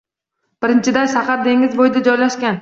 Birinchidan, shahar dengiz bo‘yida joylashgan